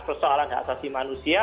persoalan hak asasi manusia